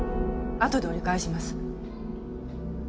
あとで折り返します。